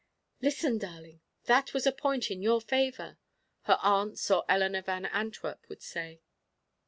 "Listen, darling, that was a point in your favor," her aunts or Eleanor Van Antwerp would say.